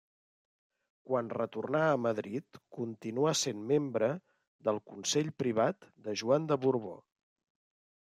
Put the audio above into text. Quan retornà a Madrid continuà sent membre del Consell Privat de Joan de Borbó.